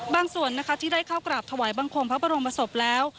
ส่วนนะคะที่ได้เข้ากราบถวายบังคมพระบรมศพแล้ว